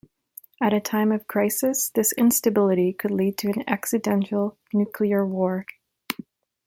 At a time of crisis, this instability could lead to an accidental nuclear war.